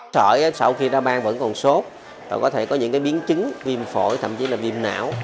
sỏi sau khi ra bang vẫn còn sốt và có thể có những biến chứng viêm phổi thậm chí là viêm não